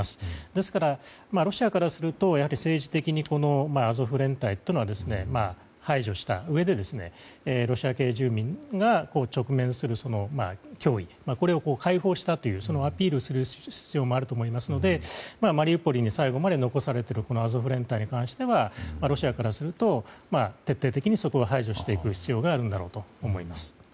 ですから、ロシアからすると政治的にアゾフ連隊というのは排除したうえでロシア系住民が直面する脅威これを解放したというアピールをする必要もあると思いますのでマリウポリに最後まで残されているアゾフ連隊に関してはロシアからすると徹底的に排除していく必要があるんだろうと思います。